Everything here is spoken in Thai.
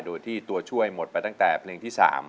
โดยที่ตัวช่วยหมดไปตั้งแต่เพลงที่๓